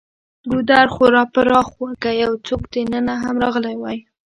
ګودر خورا پراخ و، که یو څوک دننه هم راغلی وای.